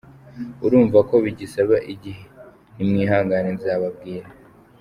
Urumva ko bigisaba igihe nimwihangane nzababwira.